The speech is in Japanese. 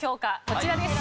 こちらです。